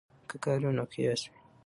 که کار وي نو قیاس وي.